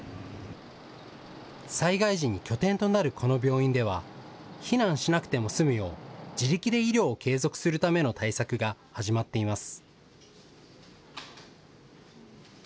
災害時に拠点となるこの病院では避難しなくても済むよう自力で医療を継続するための対策が始まっています。